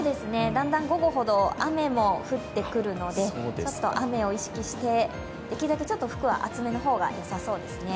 だんだん午後ほど雨も降ってくるのでちょっと雨を意識して、できるだけ服は厚めの方がよさそうですね。